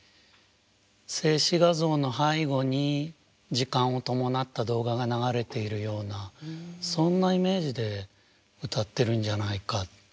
静止画像の背後に時間を伴った動画が流れているようなそんなイメージで歌ってるんじゃないか。